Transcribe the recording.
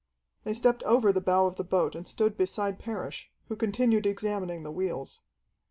They stepped over the bow of the boat and stood beside Parrish, who continued examining the wheels.